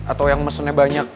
atau yang mesennya banyak